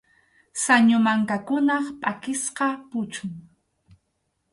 Sañu mankakunap pʼakisqa puchun.